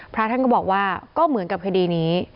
พระท่านก็บอกว่าก็เหมือนกับคดีนี้